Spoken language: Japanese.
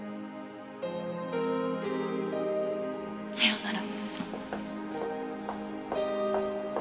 さようなら。